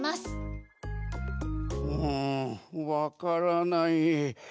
うんわからない。